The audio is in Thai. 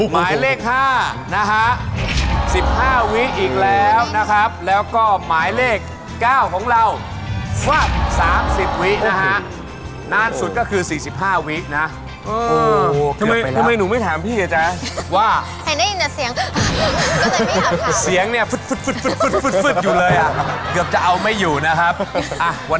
หมายเลขห้านะฮะสิบห้าวิกอีกแล้วนะครับแล้วก็หมายเลขเก้าของเราสามสิบวินะฮะ